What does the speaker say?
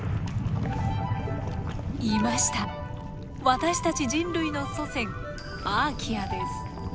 私たち人類の祖先アーキアです。